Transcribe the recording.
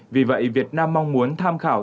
vì vậy việt nam mong muốn tham khảo